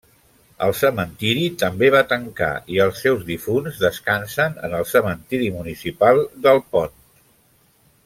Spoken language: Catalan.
El cementiri també va tancar i els seus difunts descansen en el cementiri municipal d'Alpont.